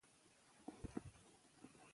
ښځې د سولې او همغږۍ په ټینګښت کې رغنده رول لري.